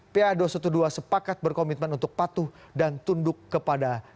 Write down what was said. partai demokrat maksudnya